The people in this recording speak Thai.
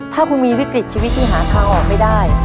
ถ้าคุณมีวิกฤตชีวิตที่หาทางออกไม่ได้